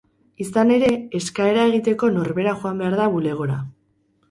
Izan ere, eskaera egiteko norbera joan behar da bulegora.